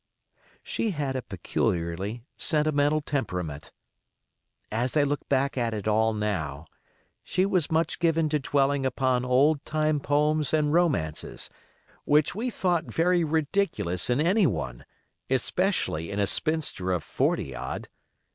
She had a peculiarly sentimental temperament. As I look back at it all now, she was much given to dwelling upon old time poems and romances, which we thought very ridiculous in any one, especially in a spinster of forty odd.